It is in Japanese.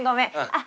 あっ。